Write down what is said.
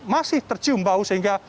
masih tercium bau sehingga